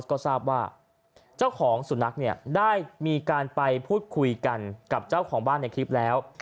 ก็ทราบว่าเจ้าของสุนัขเนี่ยได้มีการไปพูดคุยกันกับเจ้าของบ้านในคลิปแล้ว